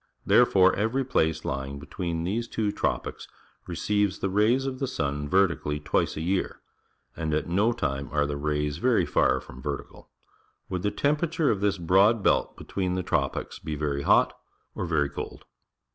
There fore every place lying between these two tropics receives the raj s of the sun verti cally twice a year, and at no time are the rays verj^ far from ^•ertical. Would the temperature of this broad belt between the tropics be very hot or very cold?